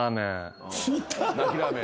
泣きラーメン。